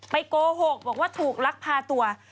โกหกบอกว่าถูกลักพาตัว